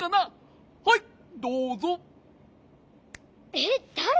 えっだれ！？